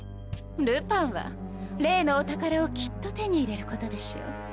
ルパンは例のお宝をきっと手に入れることでしょう。